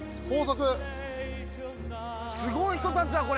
すごい人たちだ、これ。